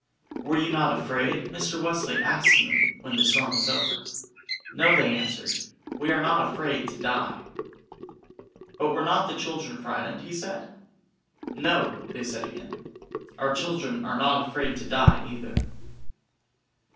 "Were you not afraid?" Mr. Wesley asked them when the storm was over. "No," they answered, "we are not afraid to die." "But were not the children frightened?" he said. "No," they said again, "our children are not afraid to die either."